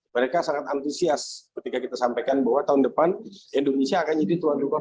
mereka sangat antusias ketika kita sampaikan bahwa tahun depan indonesia akan jadi tuan rumah